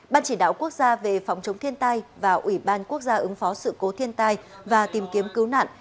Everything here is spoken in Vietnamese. ban chỉ đạo quốc gia về phòng chống thiên tai và ủy ban quốc gia ứng phó sự cố thiên tai và tìm kiếm cứu nạn